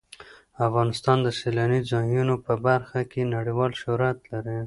افغانستان د سیلانی ځایونه په برخه کې نړیوال شهرت لري.